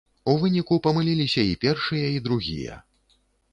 У выніку памыліліся і першыя, і другія.